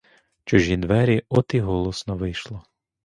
Чужі двері — от і голосно вийшло.